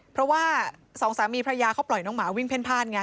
เพราะว่าสองสามีพระยาเขาปล่อยน้องหมาวิ่งเพ่นพ่านไง